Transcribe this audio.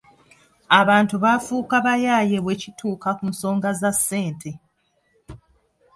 Abantu baafuuka bayaaye bwe kituuka ku nsonga za ssente.